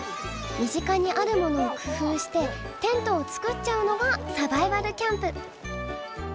身近にあるものを工夫してテントを作っちゃうのがサバイバルキャンプ！